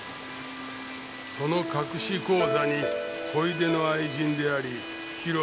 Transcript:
その隠し口座に小出の愛人であり ＨＩＲＯ